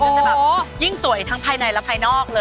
จะแบบยิ่งสวยทั้งภายในและภายนอกเลย